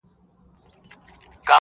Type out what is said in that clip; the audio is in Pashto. او منور انسانان دي